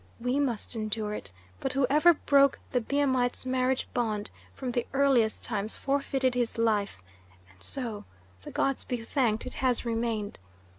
We must endure it; but whoever broke the Biamite's marriage bond, from the earliest times, forfeited his life, and so, the gods be thanked, it has remained.